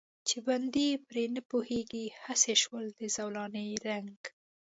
چې بندي پرې نه پوهېږي، هسې شو د زولانې رنګ.